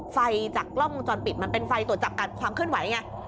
ไฟจากกล้องมุมจรปิดมันเป็นไฟตรวจจับการความเคลื่อนไหวเนี่ย